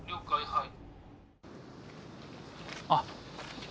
はい。